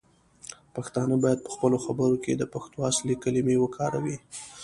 پښتانه باید پخپلو خبرو کې د پښتو اصلی کلمې وکاروي.